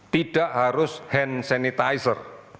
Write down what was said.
tidak harus hand sanitizer